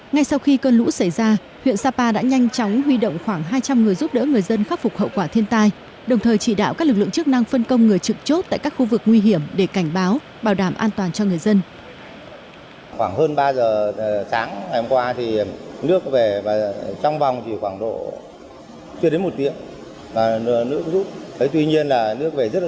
ngay sau khi cơn lũ xảy ra huyện sapa đã nhanh chóng huy động khoảng hai trăm linh người giúp đỡ người dân khắc phục hậu quả thiên tai đồng thời chỉ đạo các lực lượng chức năng phân công người trực chốt tại các khu vực nguy hiểm để cảnh báo bảo đảm an toàn cho người dân